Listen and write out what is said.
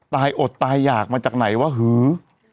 ตายอดตายหยากมาจากไหนวะหื้อ